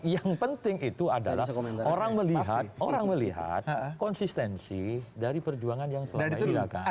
yang penting itu adalah orang melihat konsistensi dari perjuangan yang selalu dilakukan